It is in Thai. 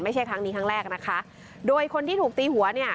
ไม่ใช่ครั้งนี้ครั้งแรกนะคะโดยคนที่ถูกตีหัวเนี่ย